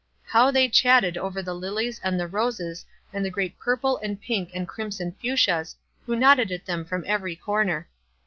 How they chatted over the lilies and the roses, and the great purple and pink and crimson fuscias, who nodded at them from every corner.